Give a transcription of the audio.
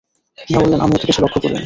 মিয়া বললেন, আমি এত কিছু লক্ষ করি নি।